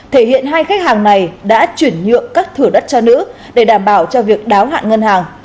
thể hiện hai khách hàng này đã chuyển nhượng các thửa đất cho nữ để đảm bảo cho việc đáo hạn ngân hàng